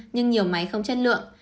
nhưng nhiều máy không chất lượng